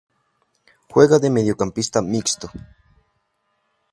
Juega de Mediocampista Mixto.